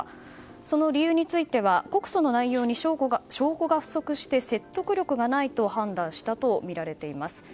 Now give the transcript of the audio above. その理由については告訴の内容に証拠が不足して説得力がないと判断したとみられています。